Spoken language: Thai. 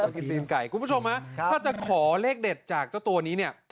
กินตีนไก่คุณผู้ชมฮะถ้าจะขอเลขเด็ดจากเจ้าตัวนี้เนี่ย